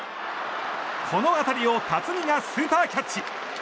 この当たりを辰己がスーパーキャッチ！